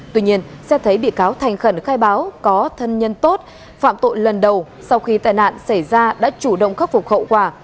tuy nhiên xét thấy bị cáo thành khẩn khai báo có thân nhân tốt phạm tội lần đầu sau khi tai nạn xảy ra đã chủ động khắc phục hậu quả